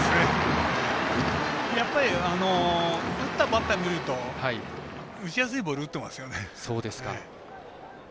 やっぱり打ったバッター見ると打ちやすいボール打ってますね。